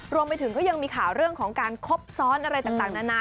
รวมไปถึงก็ยังมีข่าวเรื่องของการคบซ้อนอะไรต่างนานา